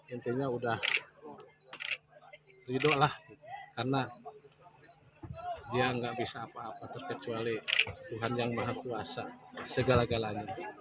intinya udah rido lah karena dia nggak bisa apa apa terkecuali tuhan yang maha kuasa segala galanya